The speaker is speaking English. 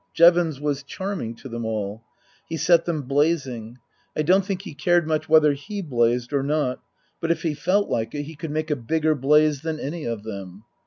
Jevons was charming to them all. He set them blazing. I don't think he cared much whether he blazed or not, but if he felt like it he could make a bigger blaze than any of them.